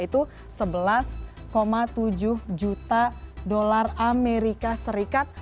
itu sebelas tujuh juta dolar amerika serikat